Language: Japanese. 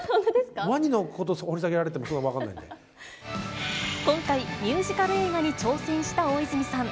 ワニのこと掘り下げられても、今回、ミュージカル映画に挑戦した大泉さん。